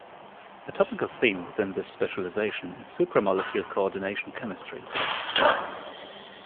A topical theme within this specialization is supramolecular coordination chemistry.